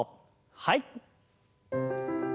はい。